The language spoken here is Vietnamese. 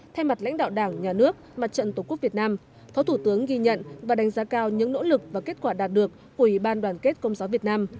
thay mặt lãnh đạo đảng nhà nước mặt trận tổ quốc việt nam phó thủ tướng ghi nhận và đánh giá cao những nỗ lực và kết quả đạt được của ủy ban đoàn kết công giáo việt nam